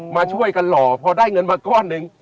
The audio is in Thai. มาช่วยกันหล่อพอได้เงินมาก้อนหนึ่ง